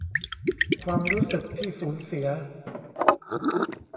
ความรู้สึกที่สูญเสีย